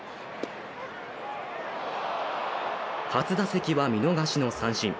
初打席は見逃し三振。